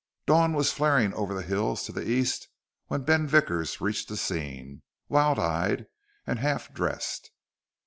Dawn was flaring over the hills to the east when Ben Vickers reached the scene, wild eyed and half dressed.